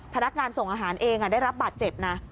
พนักงานส่งอาหารเองได้รับบาดเจ็บนะ